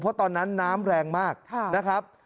เพราะตอนนั้นน้ำแรงมากนะครับ